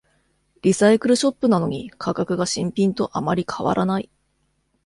リサイクルショップなのに価格が新品とあまり変わらない